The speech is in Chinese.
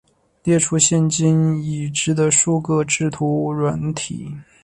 列出现今已知的数个制图软体